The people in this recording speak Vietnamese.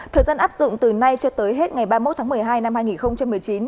thời gian áp dụng từ nay cho tới hết ngày ba mươi một tháng một mươi hai năm hai nghìn một mươi chín